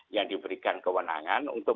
yang diberikan kewenangan untuk